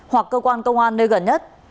hoặc cơ quan công an nơi gần nhất